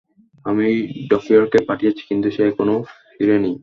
আমি ড্রপিয়রকে পাঠিয়েছি, কিন্তু সে এখনো ফিরেনি।